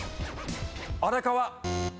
荒川。